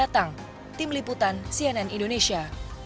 tim liputan cnn indonesia